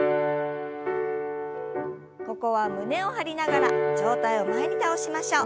ここは胸を張りながら上体を前に倒しましょう。